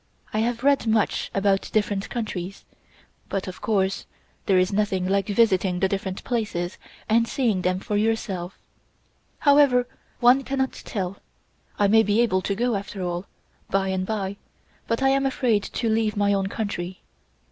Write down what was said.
I have read much about different countries, but of course there is nothing like visiting the different places and seeing them yourself. However, one cannot tell. I may be able to go after all, by and bye, but I am afraid to leave my own country.